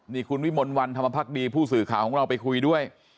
นี่คุณวิมลวันธรรมพักดีผู้สื่อข่าวของเราไปคุยด้วย